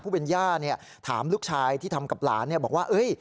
ย่าถามลูกชายที่ทำกับหลานบอกว่า